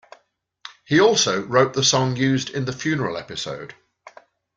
He also wrote the song used in the funeral episode.